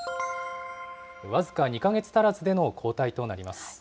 僅か２か月足らずでの交代となります。